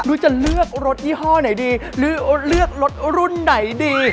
จะเลือกรถยี่ห้อไหนดีหรือเลือกรถรุ่นไหนดี